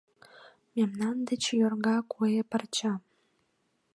Мемнан деч йорга куэ парча.